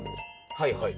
はいはい。